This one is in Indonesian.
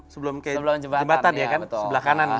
sebelum ke jembatan ya kan sebelah kanan